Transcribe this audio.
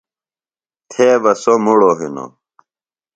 تھےۡ بہ سوۡ مڑوۡ ہِنوۡ